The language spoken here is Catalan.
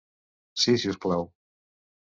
Sí, si us plau!